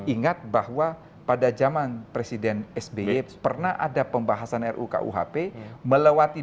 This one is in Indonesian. ingat bahwa pada zaman presiden sby pernah ada pembahasan ruu kuhp melewati dua ribu empat belas